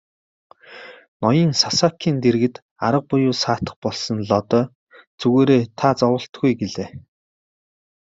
Ноён Сасакийн дэргэд арга буюу саатах болсон Лодой "Зүгээр та зоволтгүй" гэлээ.